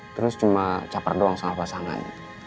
terus cuma capar doang sama pasangan